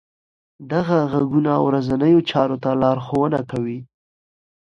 دغه غږونه ورځنیو چارو ته لارښوونه کوي.